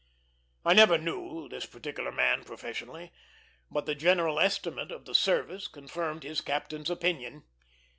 I never knew this particular man professionally, but the general estimate of the service confirmed his captain's opinion.